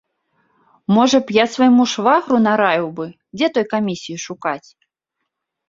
Можа б, я свайму швагру нараіў бы, дзе той камісіі шукаць?